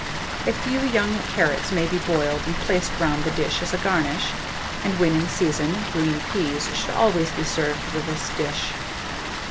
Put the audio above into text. A few young carrots may be boiled and placed round the dish as a garnish, and, when in season, green peas should always be served with this dish.